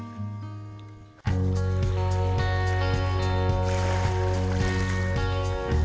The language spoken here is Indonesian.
jika beruntung juleha mengaku dalam sebulan